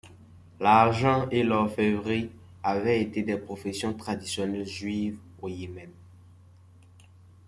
L'argent et l'orfèvrerie avait été des professions traditionnelles juives au Yémen.